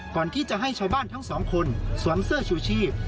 ก่อนที่จะให้ชาวบ้านทั้งสองคนสวมเสื้อชูชีพ